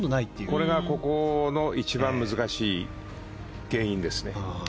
これが、ここの一番難しい原因です。